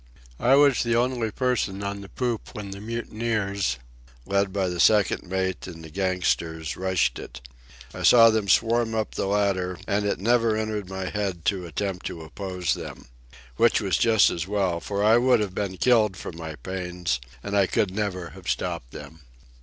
I was the only person on the poop when the mutineers, led by the second mate and the gangsters, rushed it. I saw them swarm up the ladder, and it never entered my head to attempt to oppose them. Which was just as well, for I would have been killed for my pains, and I could never have stopped them.